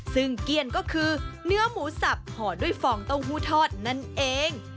ซึ่งเกี้ยนก็คือเนื้อหมูสับห่อด้วยฟองเต้าหู้ทอดนั่นเอง